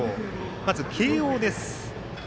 まず、慶応です。